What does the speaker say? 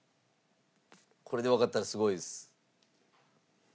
これでわかったらすごいです。